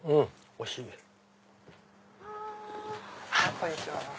こんにちは。